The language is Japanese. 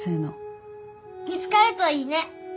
見つかるといいね！